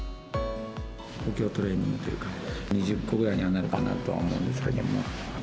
補強トレーニングという、２０個ぐらいにはなるかなと思うんですけれども。